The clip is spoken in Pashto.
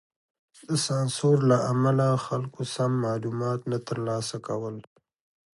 د سانسور له امله خلګو سم معلومات نه تر لاسه کول.